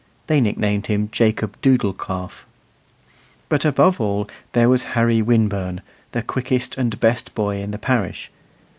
They nicknamed him Jacob Doodle calf. But above all there was Harry Winburn, the quickest and best boy in the parish.